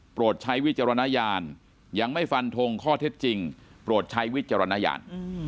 ใช้วิจารณญาณยังไม่ฟันทงข้อเท็จจริงโปรดใช้วิจารณญาณ